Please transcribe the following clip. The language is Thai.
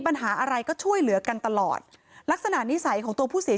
ปัญหาอะไรก็ช่วยเหลือกันตลอดลักษณะนิสัยของตัวผู้เสีย